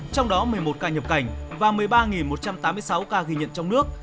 trong đó một mươi một ca nhập cảnh và một mươi ba một trăm tám mươi sáu ca ghi nhận trong nước